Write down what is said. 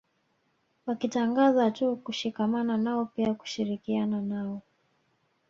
Wakitangaza tu kushikamana nao pia kushirikiana nao